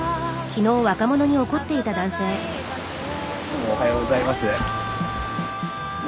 おはようございます。